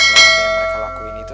nah apa yang mereka lakuin itu